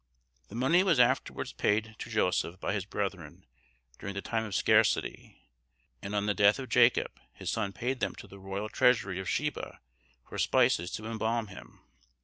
The money was afterwards paid to Joseph by his brethren during the time of scarcity; and on the death of Jacob, his son paid them to the royal treasury of Sheba for spices to embalm him.